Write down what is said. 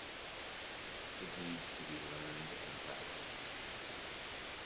It needs to be learned and practiced.